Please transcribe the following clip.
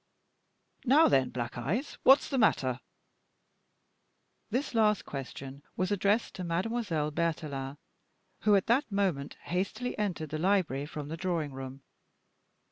Now then, Black Eyes, what's the matter?" This last question was addressed to Mademoiselle Berthelin, who at that moment hastily entered the library from the drawing room.